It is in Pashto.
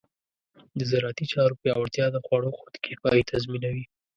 د زراعتي چارو پیاوړتیا د خوړو خودکفایي تضمینوي.